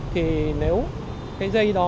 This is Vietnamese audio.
thì nếu cái dây đó